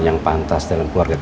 jangan datang ke rumah